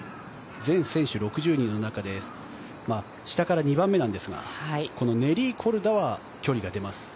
全選手６０人の中で下から２番目なんですがこのネリー・コルダは距離が出ます。